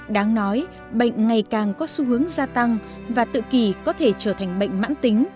đáng nói bệnh ngày càng có xu hướng gia tăng và tự kỳ có thể trở thành bệnh mãn tính